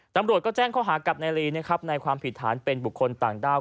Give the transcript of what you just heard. ตัมรวจก็แจ้งเข้าหากลับใหนลีภิษฐานเป็นบุคคลต่างด้าว